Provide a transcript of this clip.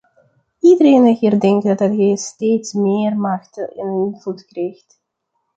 Iedereen hier denkt dat hij steeds meer macht en invloed krijgt.